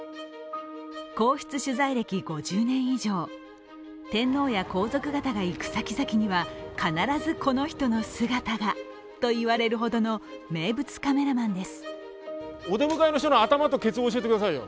皇室取材歴５０年以上、天皇や皇族方が行く先々には必ずこの人の姿がと言われるほどの名物カメラマンです。